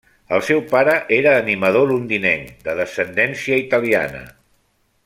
El seu pare era animador londinenc de descendència italiana.